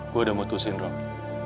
gue udah mutusin rob